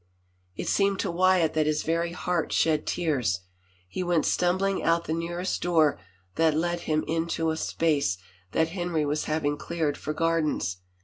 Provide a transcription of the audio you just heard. It seemed to Wyatt that his very heart shed tears. He went stumbling out the nearest door that let him into a space that Henry was having cleared for gardens.